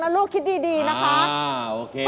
แล้วลูกคิดดีนะคะ